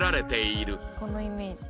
「このイメージ」